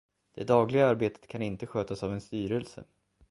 Det dagliga arbetet kan inte skötas av en styrelse.